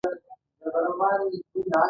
اسلام اباد د خپلې تښتېدلې عورتې په غم اخته دی.